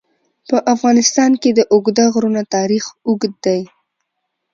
په افغانستان کې د اوږده غرونه تاریخ اوږد دی.